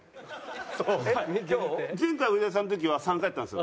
前回植田さんの時は３回だったんです。